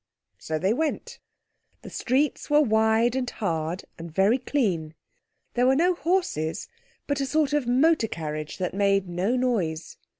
So they went. The streets were wide and hard and very clean. There were no horses, but a sort of motor carriage that made no noise.